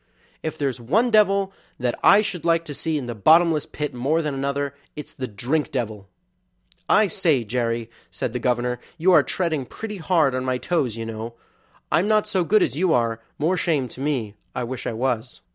If there's one devil that I should like to see in the bottomless pit more than another, it's the drink devil." "I say, Jerry," said the governor, "you are treading pretty hard on my toes, you know; I'm not so good as you are, more shame to me; I wish I was."